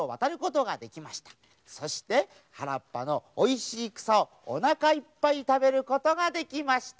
そしてはらっぱのおいしいくさをおなかいっぱいたべることができました。